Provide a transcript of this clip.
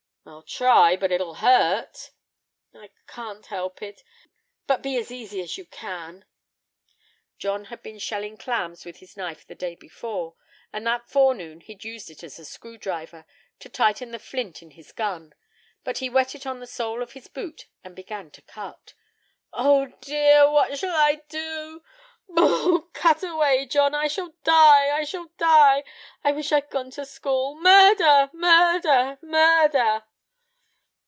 "I'll try; but it'll hurt." "I can't help it; but be as easy as you can." John had been shelling clams with his knife the day before, and that forenoon he'd used it as a screw driver, to tighten the flint in his gun; but he whet it on the sole of his boot, and began to cut. "O, dear! what shall I do? Boo oo! cut away, John! I shall die! I shall die! I wish I'd gone to school! Murder! murder!! murder!!!"